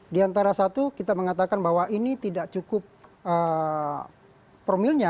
di antara satu kita mengatakan bahwa ini tidak cukup formilnya